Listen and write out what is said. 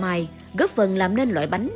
mai góp phần làm nên loại bánh